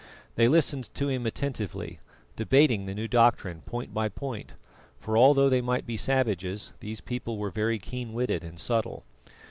They listened to him attentively, debating the new doctrine point by point; for although they might be savages, these people were very keen witted and subtle.